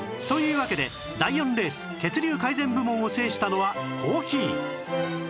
わけで第４レース血流改善部門を制したのはコーヒー